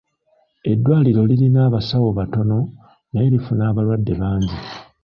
Eddwaliro lirina abasawo batono naye lifuna abalwadde bangi.